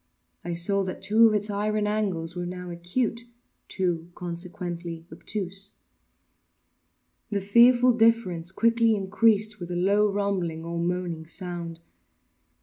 I saw that two of its iron angles were now acute—two, consequently, obtuse. The fearful difference quickly increased with a low rumbling or moaning sound.